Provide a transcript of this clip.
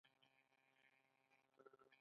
د ویناوو په لوازمو پورې ونه نښلم.